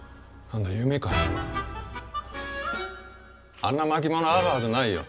あんな巻物あるはずないよ。